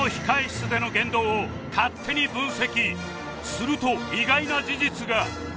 すると意外な事実が